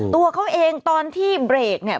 ตัวเขาเองตอนที่เบรกเนี่ย